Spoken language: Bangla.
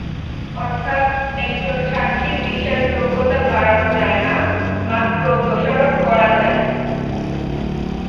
অর্থাৎ, একজন সাক্ষীর বিশ্বাসযোগ্যতা বাড়ানো যায় না, মাত্র দোষারোপ করা যায়।